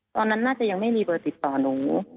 ตอนนั้นน่าจะยังไม่มีโปรติศตรอนุ